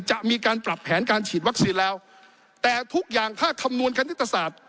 จะมีการปรับแผนการฉีดวัคซีนแล้วแต่ทุกอย่างถ้าคำนวณคณิตศาสตร์